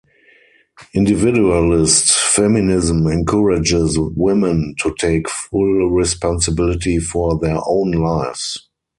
Individualist feminism encourages women to take full responsibility for their own lives.